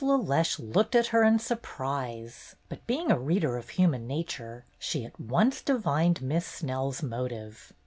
LeLeche looked at her in surprise, but being a reader of human nature, she at once divined Miss Snell's motive.